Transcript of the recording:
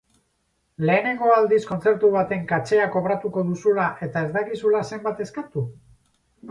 Lehenengo aldiz kontzertu baten katxea kobratuko duzula eta ez dakizula zenbat eskatu?